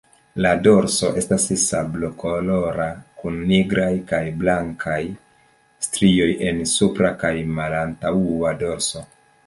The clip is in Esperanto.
La dorso estas sablokolora kun nigraj kaj blankaj strioj en supra kaj malantaŭa dorso.